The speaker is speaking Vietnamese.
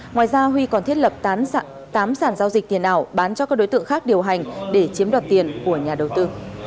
ngoài ra huy còn thiết lập tám sản giao dịch tiền ảo bán cho các đối tượng khác điều hành để chiếm đoạt tiền của nhà đầu tư